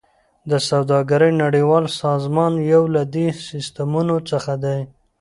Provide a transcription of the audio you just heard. د سوداګرۍ نړیوال سازمان یو له دې سیستمونو څخه دی